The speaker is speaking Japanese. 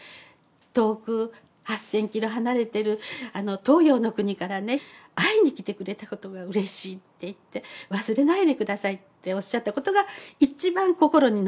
遠く８，０００キロ離れてる東洋の国からね会いに来てくれたことがうれしいって言って忘れないで下さいっておっしゃったことが一番心に残ったんです。